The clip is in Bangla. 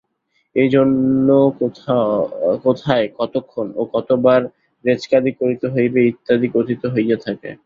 এইজন্য কোথায়, কতক্ষণ ও কতবার রেচকাদি করিতে হইবে, ইত্যাদি কথিত হইয়া থাকে।